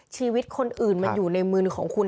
ชีวิตคนอื่นมันอยู่ในมือของคุณ